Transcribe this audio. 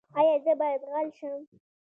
ایا زه باید غل شم؟